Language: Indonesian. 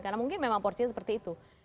karena mungkin memang porsinya seperti itu